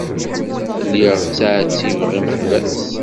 Lliɣ ttɛettibeɣ imeḥbas.